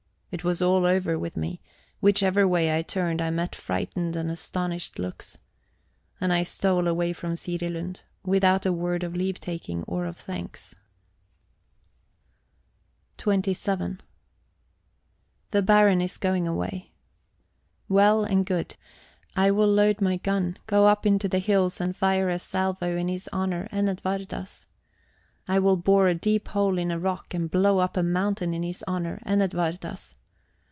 It was all over with me; whichever way I turned, I met frightened and astonished looks. And I stole away from Sirilund, without a word of leave taking or of thanks. XXVII The Baron is going away. Well and good: I will load my gun, go up into the hills, and fire a salvo in his honour and Edwarda's. I will bore a deep hole in a rock and blow up a mountain in his honour and Edwarda's.